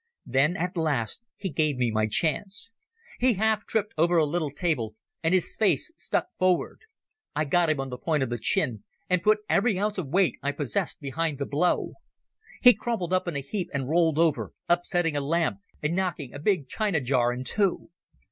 Then at last he gave me my chance. He half tripped over a little table and his face stuck forward. I got him on the point of the chin, and put every ounce of weight I possessed behind the blow. He crumpled up in a heap and rolled over, upsetting a lamp and knocking a big china jar in two.